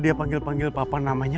ini aneh sih ya